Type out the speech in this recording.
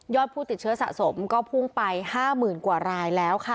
ผู้ติดเชื้อสะสมก็พุ่งไป๕๐๐๐กว่ารายแล้วค่ะ